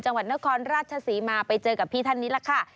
จังหวัดนครราชศรีมาไปเจอกับพี่ท่านนี้แหละค่ะ